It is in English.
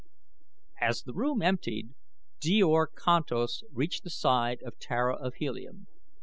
As the room emptied Djor Kantos reached the side of Tara of Helium.